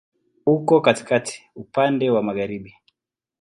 Uko katikati, upande wa magharibi.